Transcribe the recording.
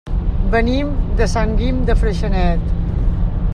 Venim de Sant Guim de Freixenet.